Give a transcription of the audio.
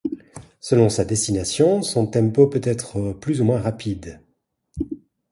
Selon sa destination, son tempo peut être plus ou moins rapide.